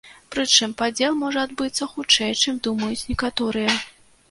Прычым падзел можа адбыцца хутчэй, чым думаюць некаторыя.